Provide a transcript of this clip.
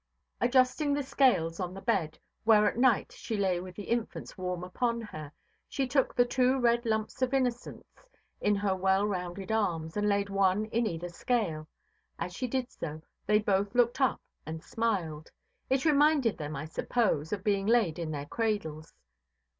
Adjusting the scales on the bed, where at night she lay with the infants warm upon her, she took the two red lumps of innocence in her well–rounded arms, and laid one in either scale. As she did so, they both looked up and smiled: it reminded them, I suppose, of being laid in their cradles.